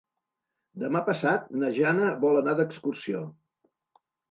Demà passat na Jana vol anar d'excursió.